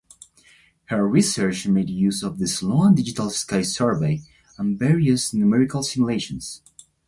Her research made use of the Sloan Digital Sky Survey and various numerical simulations.